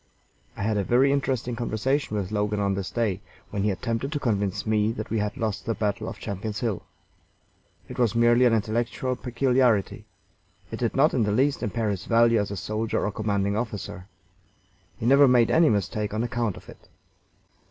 I had a very interesting conversation with Logan on this day, when he attempted to convince me that we had lost the battle of Champion's Hill. It was merely an intellectual peculiarity. It did not in the least impair his value as a soldier or commanding officer. He never made any mistake on account of it.